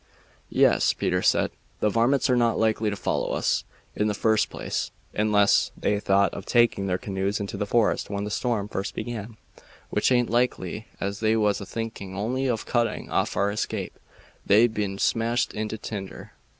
"Yes," Peter said, "the varmints are not likely to follow us. In the first place, unless they thought of taking their canoes into the forest when the storm first began, which aint likely, as they was a thinking only of cutting off our escape, they'd 've been smashed into tinder.